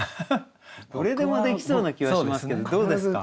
どれでもできそうな気はしますけどどうですか？